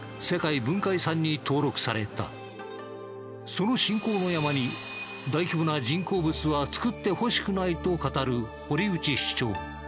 その信仰の山に大規模な人工物は造ってほしくないと語る堀内市長。